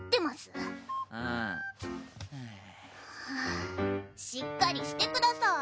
はぁしっかりしてください。